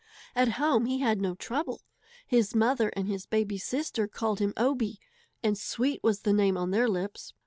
At home he had no trouble. His mother and his baby sister called him Obie, and sweet was his name on their lips.